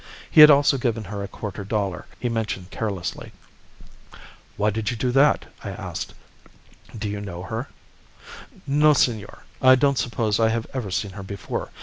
He had also given her a quarter dollar, he mentioned carelessly." "'Why did you do that?' I asked. 'Do you know her?' "'No, senor. I don't suppose I have ever seen her before.